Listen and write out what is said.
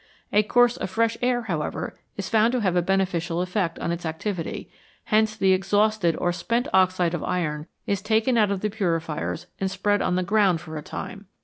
A course of fresh air, however, is found to have a beneficial effect on its activity, hence the exhausted or "spent" oxide of iron is taken out of the purifiers and spread on the ground for a time.